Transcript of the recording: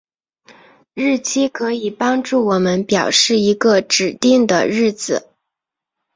日期可以帮助我们表示一个指定的日子。